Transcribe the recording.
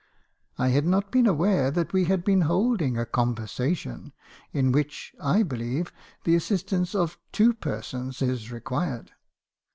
"I had not been aware that we had been holding a conversa tion, in which, I believe, the assistance of two persons is re quired.